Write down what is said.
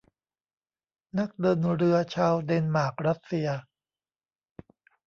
นักเดินเรือชาวเดนมาร์กรัสเซีย